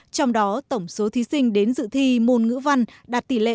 trong đó tổng số thí sinh đến dự thi môn ngữ văn đạt tỷ lệ chín mươi sáu